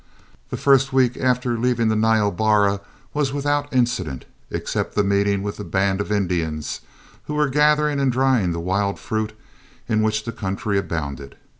The first week after leaving the Niobrara was without incident, except the meeting with a band of Indians, who were gathering and drying the wild fruit in which the country abounded.